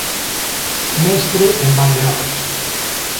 Mestre en Valdeorras.